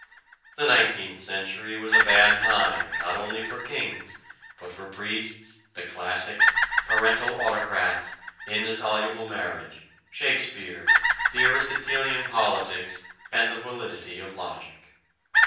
The nineteenth century was a bad time not only for kings, but for priests, the classics, parental autocrats, indissoluble marriage, Shakespeare, the Aristotelian Poetics and the validity of logic.